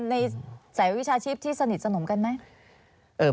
ในสายวิชาชีพที่สนิทสนมกันไหม